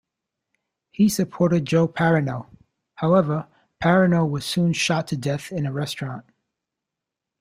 He supported Joe Parrino; however, Parrino was soon shot to death in a restaurant.